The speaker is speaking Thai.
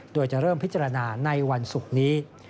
โดยจะเริ่มพิจารณาในวันศุกร์นี้